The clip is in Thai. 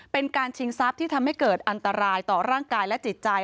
เป็นการชิงทรัพย์ที่ทำให้เกิดอันตรายต่อร่างกายและจิตใจ